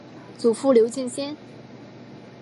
祖父刘敬先。